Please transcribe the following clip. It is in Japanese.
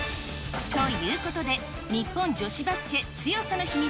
ということで、日本女子バスケ、強さの秘密